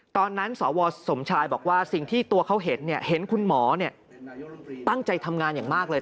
สวสมชายบอกว่าสิ่งที่ตัวเขาเห็นเห็นคุณหมอตั้งใจทำงานอย่างมากเลย